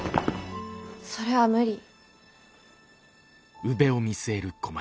それは無理。